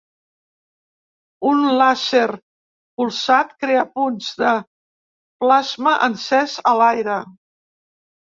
Un làser polsat crea punts de plasma encès a l'aire.